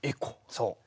そう。